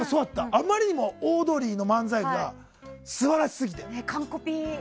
あまりにもオードリーの漫才が素晴らしすぎて。